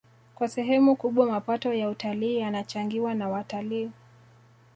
Kwa sehemu kubwa mapato ya utalii yanachangiwa na watalii